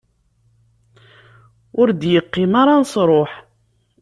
Ur d-yeqqim ara nesruḥ.